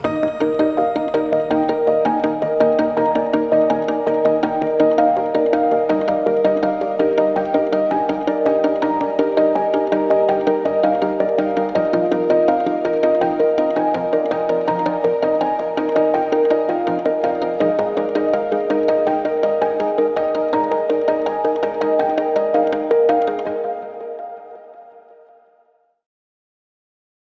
โปรดติดตามที่๓